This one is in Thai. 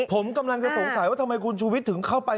ผมกำลังจะสงสัยว่าทำไมคุณชูวิทย์ถึงเข้าไป